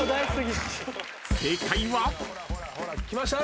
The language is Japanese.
［正解は］来ました！